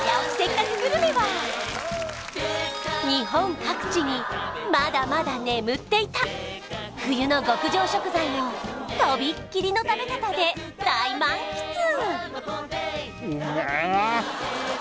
せっかくグルメは日本各地にまだまだ眠っていた冬の極上食材をとびっきりの食べ方で大満喫！